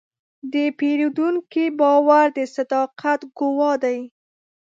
د پیرودونکي باور د صداقت ګواه دی.